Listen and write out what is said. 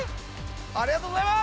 ありがとうございます！